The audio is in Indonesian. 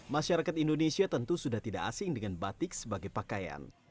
masyarakat indonesia tentu sudah tidak asing dengan batik sebagai pakaian